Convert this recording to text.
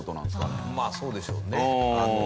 まあそうでしょうね。